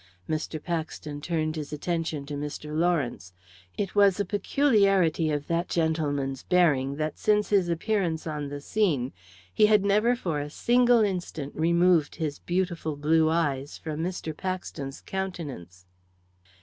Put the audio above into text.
Mr. Paxton turned his attention to Mr. Lawrence; it was a peculiarity of that gentleman's bearing that since his appearance on the scene he had never for a single instant removed his beautiful blue eyes from Mr. Paxton's countenance.